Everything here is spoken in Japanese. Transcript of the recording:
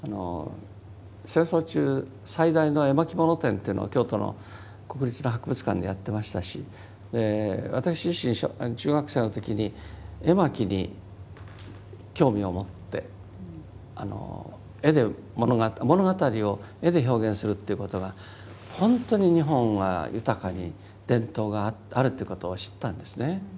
戦争中最大の絵巻物展というのが京都の国立の博物館でやってましたし私自身中学生の時に絵巻に興味を持って物語を絵で表現するっていうことがほんとに日本は豊かに伝統があるということを知ったんですね。